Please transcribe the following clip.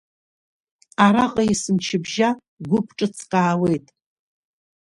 Араҟа есымчыбжьа гәыԥ ҿыцк аауеит.